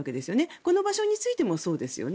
この場所についてもそうですよね。